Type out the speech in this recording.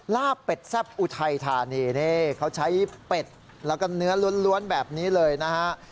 ลาบเป็ดแซ่บอุทัยธานีนี่เขาใช้เป็ดแล้วก็เนื้อล้วนแบบนี้เลยนะฮะ